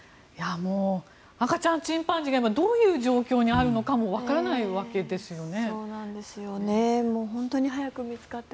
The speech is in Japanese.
赤ちゃんチンパンジーが今、どういう状況にあるのかもわからないわけですよね。